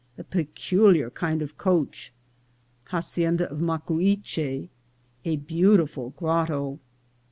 — A pecub'ar kind of Coach. — Hacienda of Mucuyche.— A beautiful Grotto.